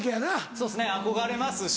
そうですね憧れますし。